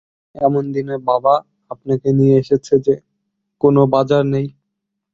এমন দিনে বাবা আপনাকে নিয়ে এসেছে যে, কোনো বাজার নেই।